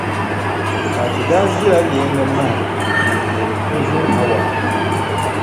Fati daa ʒila leeŋa mahim n-guhiri o zo Hawa.